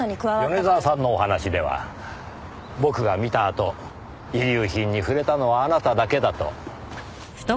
米沢さんのお話では僕が見たあと遺留品に触れたのはあなただけだと。